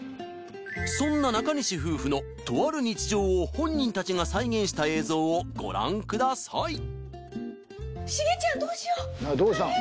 そんな中西夫婦のとある日常を本人たちが再現した映像をご覧くださいどうしたん？